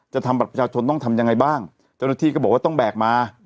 ทำบัตรประชาชนต้องทำยังไงบ้างเจ้าหน้าที่ก็บอกว่าต้องแบกมา